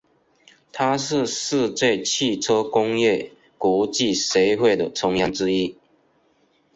它是世界汽车工业国际协会的成员之一。